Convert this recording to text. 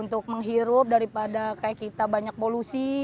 untuk menghirup daripada kayak kita banyak polusi